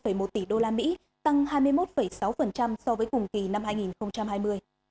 về xuất khẩu nông lâm thủy sản ước đạt ba mươi hai một tỷ usd tăng hai mươi một sáu so với cùng kỳ năm hai nghìn hai mươi